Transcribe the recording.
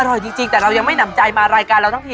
อร่อยจริงแต่เรายังไม่หนำใจมารายการเราทั้งที